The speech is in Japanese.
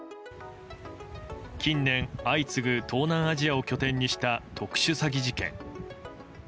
近年、相次ぐ東南アジアを拠点にした特殊詐欺事件。